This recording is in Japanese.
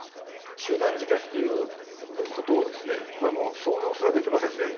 集団自決ということをこれはもう想像すらできませんね。